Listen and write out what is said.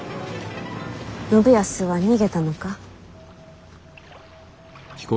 信康は逃げたのか？